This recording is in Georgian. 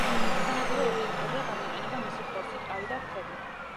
სანადირო ობიექტებია, გამოიყენება მისი ხორცი, ტყავი და რქები.